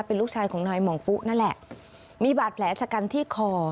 เป็นลูกชายของนายหม่องปุ๊นั่นแหละมีบาดแผลชะกันที่คอ